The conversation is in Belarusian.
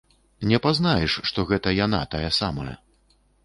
Не пазнаеш, што гэта яна тая самая.